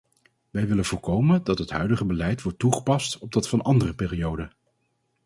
Wij willen voorkomen dat het huidige beleid wordt toegepast op dat van andere perioden.